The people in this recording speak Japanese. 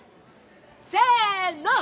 せの！